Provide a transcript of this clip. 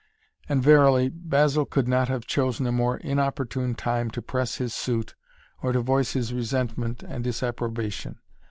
And, verily, Basil could not have chosen a more inopportune time to press his suit or to voice his resentment and disapprobation.